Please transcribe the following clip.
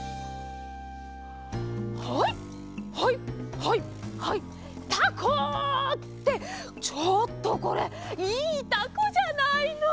はいはいはいはいタコ！ってちょっとこれいいタコじゃないの！